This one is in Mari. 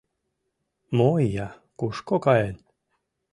Мо ия, кушко каен?